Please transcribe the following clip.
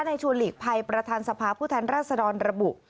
ในชูอลิกภัยประธานสภาพุทธรรษฎรระบุ